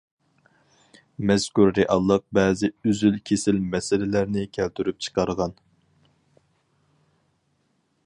مەزكۇر رېئاللىق بەزى ئۈزۈل-كېسىل مەسىلىلەرنى كەلتۈرۈپ چىقارغان.